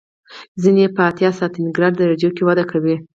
ځینې یې په اتیا سانتي ګراد درجو کې وده کوي.